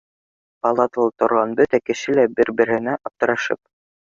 Палатала торған бөтә кеше лә бер-береһенә аптырашып